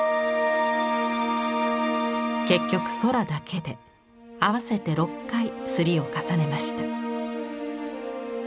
結局空だけで合わせて６回摺りを重ねました。